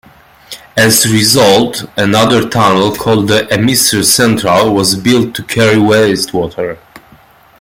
As a result, another tunnel, called the Emisor Central, was built to carry wastewater.